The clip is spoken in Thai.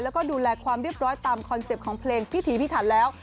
แล้วก็ดูแลความเรียบร้อยตามคอนเซ็ปต์ของเพลงพิถีพิถันแล้ว